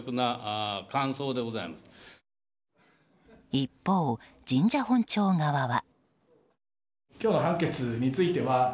一方、神社本庁側は。